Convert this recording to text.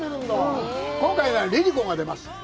今回はＬｉＬｉＣｏが出ます。